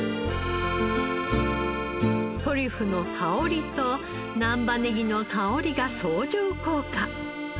トリュフの香りと難波ネギの香りが相乗効果。